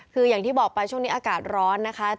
คืออย่างที่บอกไปช่วงนี้อากาศร้อนนะคะ